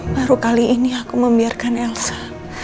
baru kali ini aku membiarkan elsa